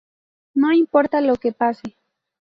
No importa lo que pase.